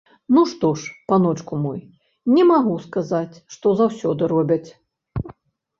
Ну што ж, паночку мой, не магу сказаць, што заўсёды робяць.